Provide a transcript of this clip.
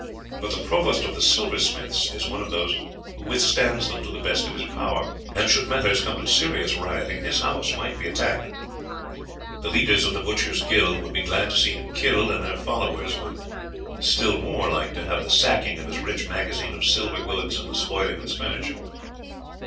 But the provost of the silversmiths is one of those who withstands them to the best of his power, and should matters come to serious rioting his house might be attacked. The leaders of the butchers' guild would be glad to see him killed, and their followers would still more like to have the sacking of his rich magazine of silver goods and the spoiling of his furniture.